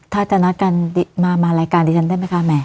ถ้าจะนัดกันมารายการดิฉันได้ไหมคะแหม